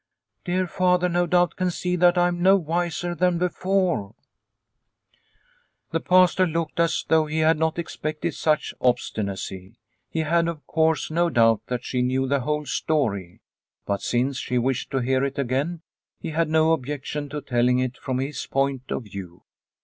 "Dear Father, no doubt, can see that I am no wiser than before/' The Pastor looked as though he had not expected such obstinacy. He had, of course, no doubt that she knew the whole story, but since she wished to hear it again he had no objection to telling it from his point of view.